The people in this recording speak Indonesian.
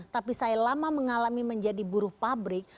tapi saya lama mengalami menjadi buruh pabrik